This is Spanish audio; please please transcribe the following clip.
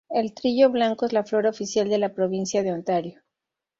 El trillo blanco es la flor oficial de la provincia de Ontario.